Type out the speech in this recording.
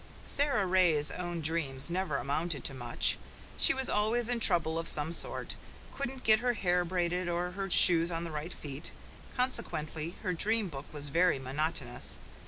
Sara Ray's own dreams never amounted to much. She was always in trouble of some sort couldn't get her hair braided, or her shoes on the right feet. Consequently, her dream book was very monotonous.